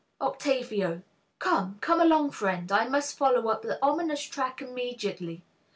OCTAVIO. Come, come along, friend! I must follow up The ominous track immediately.